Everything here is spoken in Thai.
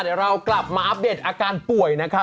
เดี๋ยวเรากลับมาอัปเดตอาการป่วยนะครับ